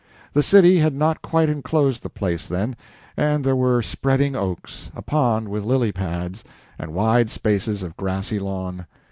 The city had not quite enclosed the place then, and there were spreading oaks, a pond with lily pads, and wide spaces of grassy lawn.